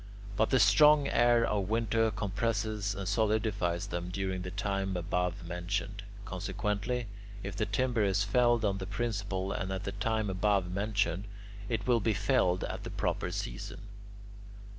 But the strong air of winter compresses and solidifies them during the time above mentioned. Consequently, if the timber is felled on the principle and at the time above mentioned, it will be felled at the proper season.